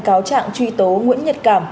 cáo trạng truy tố nguyễn nhật cảm